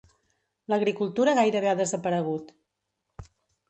L'agricultura gairebé ha desaparegut.